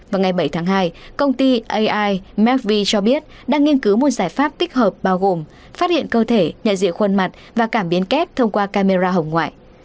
vào ngày bảy tháng hai công ty ai mecv cho biết đang nghiên cứu một giải pháp tích hợp bao gồm phát hiện cơ thể nhận diện khuôn mặt và cảm biến kép thông qua camera hồng ngoại